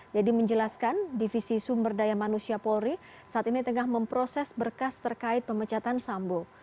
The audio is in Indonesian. deddy menjelaskan divisi sumber daya manusia polri saat ini tengah memproses berkas terkait pemecatan sambo